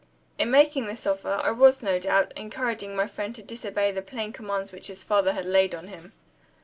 In making this offer, I was, no doubt, encouraging my friend to disobey the plain commands which his father had laid on him.